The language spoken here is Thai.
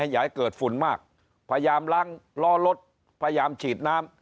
อย่าให้เกิดฝุ่นมากพยายามล้างล้อรถพยายามฉีดน้ำ